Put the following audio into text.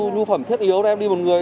nhu phẩm thiết yếu em đi một người